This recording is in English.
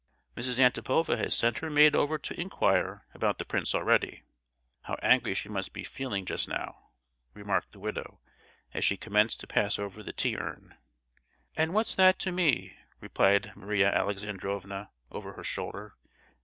"Mrs. Antipova has sent her maid over to inquire about the prince already. How angry she must be feeling just now," remarked the widow, as she commenced to pass over the tea urn. "And what's that to me!" replied Maria Alexandrovna, over her shoulder.